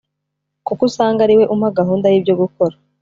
kuko usanga ariwe umpa gahunda y’ibyo gukora